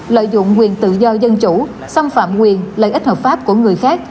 lợi dụng quyền tự do dân chủ xâm phạm quyền lợi ích hợp pháp của người khác